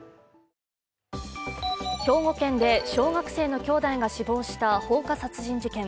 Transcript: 兵庫県で小学生の兄弟が死亡した放火殺人事件。